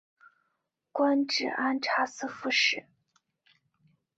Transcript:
官至按察司副使。